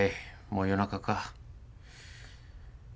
もう夜中か。